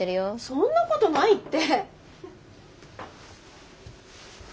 そんなことないって。